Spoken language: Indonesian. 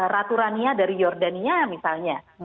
raturannya dari yordaninya misalnya